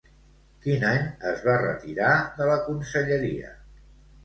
Quin any es va retirar de la conselleria?